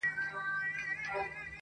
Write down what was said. • زما پر کهاله لویه سې ملاله مېړنۍ -